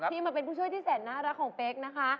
ที่มาเป็นผู้ช่วยที่แสนน่ารักของเป๊กนะคะ